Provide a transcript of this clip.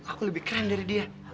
aku lebih keren dari dia